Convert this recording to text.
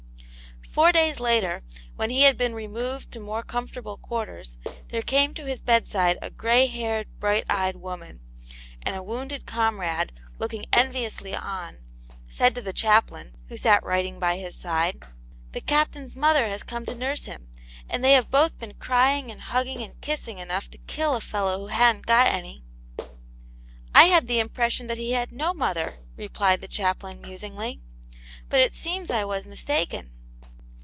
Four days later, when he had b^wi. x^tcvoH^^X.^ 42 Aunt Janets Hero, more cogifortable quarters, there came to his bed side a gray haired, bright eyed woman ; and a wounded comrade, looking enviously on, said to the chaplain, who sat writing by his side: "The Captain's mother has come to nurse him, and they have both been crying and hugging and kissing enough to kill a fellow who ha'n't got any." " I had the impression that he had no mother," replied the chaplain, musingly ;but it seems I was mistaken."